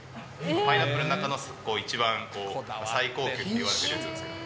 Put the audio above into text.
パイナップルの中の一番最高級といわれてるやつなんですけど。